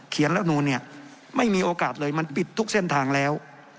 รัฐนูลเนี่ยไม่มีโอกาสเลยมันปิดทุกเส้นทางแล้ว